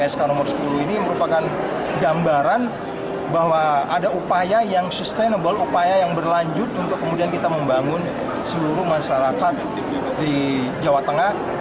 sk nomor sepuluh ini merupakan gambaran bahwa ada upaya yang sustainable upaya yang berlanjut untuk kemudian kita membangun seluruh masyarakat di jawa tengah